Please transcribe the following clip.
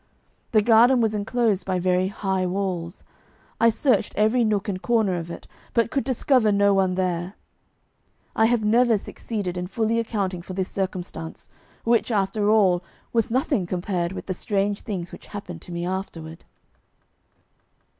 The garden was enclosed by very high walls. I searched every nook and corner of it, but could discover no one there. I have never succeeded in fully accounting for this circumstance, which, after all, was nothing compared with the strange things which happened to me afterward.